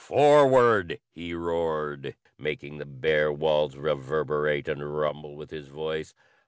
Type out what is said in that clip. "Forward!" he roared, making the bare walls reverberate and rumble with his voice.